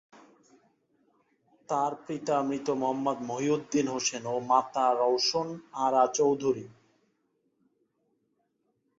তার পিতা মৃত মোহাম্মদ মহিউদ্দিন হোসেন ও মাতা রওশন আরা চৌধুরী।